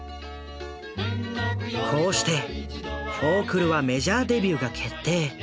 こうしてフォークルはメジャーデビューが決定。